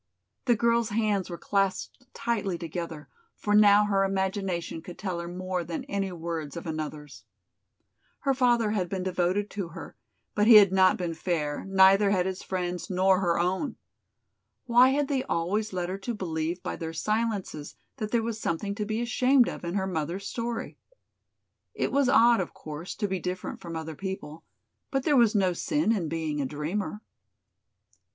The girl's hands were clasped tightly together, for now her imagination could tell her more than any words of another's. Her father had been devoted to her, but he had not been fair, neither had his friends nor her own. Why had they always led her to believe by their silences that there was something to be ashamed of in her mother's story? It was odd, of course, to be different from other people, but there was no sin in being a dreamer.